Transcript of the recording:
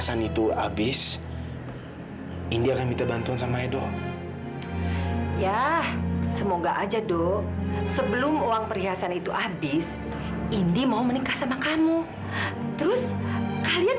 sampai jumpa di video selanjutnya